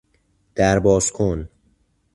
در بازکن